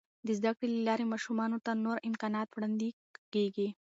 د زده کړې له لارې، ماشومانو ته نور امکانات وړاندې کیږي.